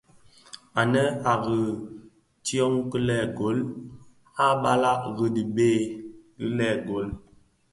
Ànë à riì tyông lëëgol, a balàg rì byey lëëgol.